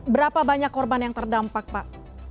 berapa banyak korban yang terdampak pak